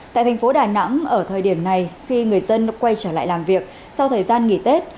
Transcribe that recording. tại thành phố đà nẵng ở thời điểm này khi người dân quay trở lại làm việc sau thời gian nghỉ tết